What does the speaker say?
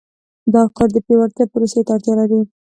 دا کار د پیاوړتیا پروسې ته اړتیا لري.